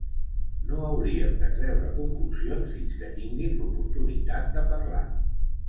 No hauríem de treure conclusions fins que tinguin l'oportunitat de parlar.